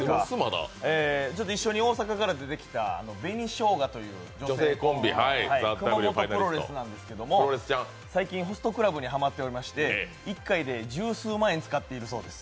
一緒に大阪から出てきた紅しょうがという女性コンビ、熊元プロレスなんですけど、最近ホストクラブにハマっていまして、１回で十数万円使っているそうです。